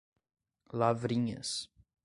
Lavrinhas